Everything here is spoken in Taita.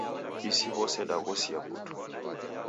Isi w'ose daghosia putu.